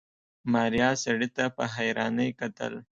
ماريا سړي ته په حيرانۍ کتل.